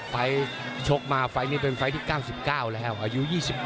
ไฟล์ชกมาไฟล์นี้เป็นไฟล์ที่๙๙แล้วอายุ๒๘